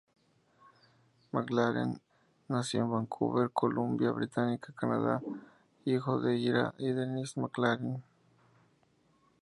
McLaren nació en Vancouver, Columbia Británica, Canadá, hijo de Ira y Denise McLaren.